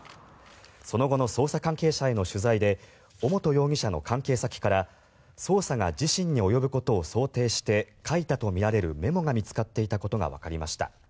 その後の捜査関係者への取材で尾本容疑者の関係先から捜査が自身に及ぶことを想定して書いたとみられるメモが見つかっていたことがわかりました。